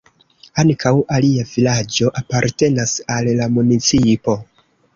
Ankaŭ alia vilaĝo apartenas al la municipo.